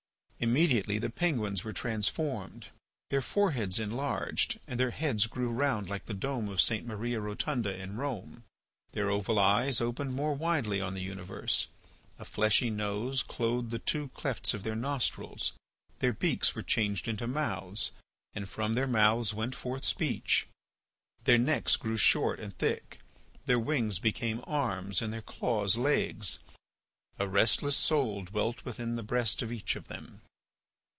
Immediately the penguins were transformed. Their foreheads enlarged and their heads grew round like the dome of St. Maria Rotunda in Rome. Their oval eyes opened more widely on the universe; a fleshy nose clothed the two clefts of their nostrils; their beaks were changed into mouths, and from their mouths went forth speech; their necks grew short and thick; their wings became arms and their claws legs; a restless soul dwelt within the breast of each of them.